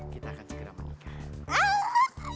kita akan segera menikah